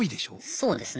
そうですね。